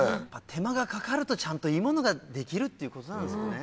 手間がかかるとちゃんといいものが出来るっていうことなんですかね。